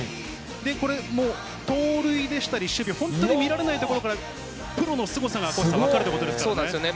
これ、盗塁でしたり、守備、本当に見られない所から、プロのすごさが、赤星さん、分かるということですね。